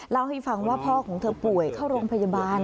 เล่าให้ฟังว่าพ่อของเธอป่วยเข้าโรงพยาบาล